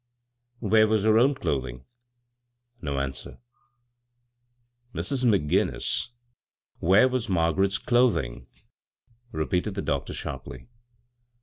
" Where was her own clothing ?" No answer. " Mrs. McGinnis, where was Margaret's clothing ?" repeated the doctor sharply.